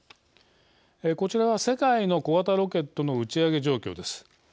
こちらは世界の小型ロケットの打ち上げ状況です。